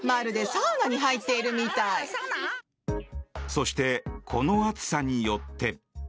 そして、この暑さによって。